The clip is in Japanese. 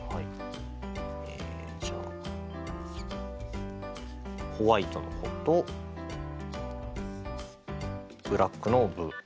えじゃあホワイトの「ホ」とブラックの「ブ」。